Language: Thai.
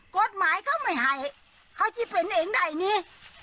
กฎหมายเขาไม่ให้เขาจะเป็นเองได้นี่